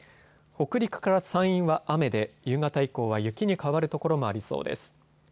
北陸から山陰は雨で、夕方以降は雪に変わる所もありそうです。